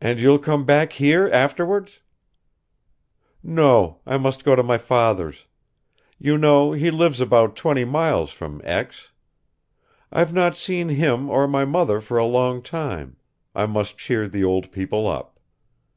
"And you'll come back here afterwards?" "No, I must go to my father's. You know he lives about twenty miles from X. I've not seen him or my mother for a long time; I must cheer the old people up.